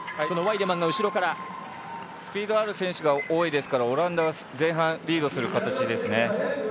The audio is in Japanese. そのワイデマンがスピードがある選手が多いですからオランダは前半リードする形ですね。